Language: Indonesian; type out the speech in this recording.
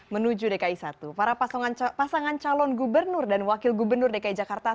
menuju dki satu para pasangan calon gubernur dan wakil gubernur dki jakarta